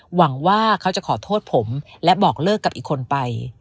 หวังว่าเขาจะขอโทษผมและบอกเลิกกับอีกคนไป